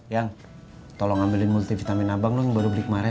yang tolong ambilin multivitamin abang lu yang baru beli kemaren